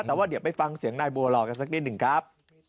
แต่ว่าเดี๋ยวไปฟังเสียงนายบัวรอกันสักนิดหนึ่งครับ